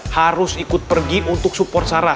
harus ikut pergi untuk support saraf